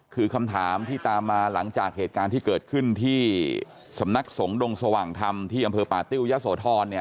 คือคำถามที่ตามมาหลังจากเหตุการณ์ที่เกิดขึ้นที่สำนักสงฆ์ดงสว่างธรรมที่อำเภอป่าติ้วยะโสธร